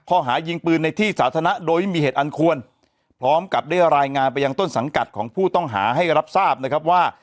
ข้อหายิงปืนในที่สาธารณะโดยไม่มีเหตุอันควรพร้อมกับได้รายงานไปยังต้นสังกัดของผู้ต้องหาให้รับทราบนะครับว่า